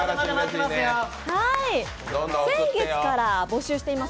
先月から募集しています